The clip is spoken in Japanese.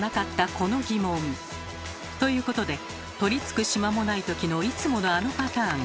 ということで取りつく島もないときのいつものあのパターン。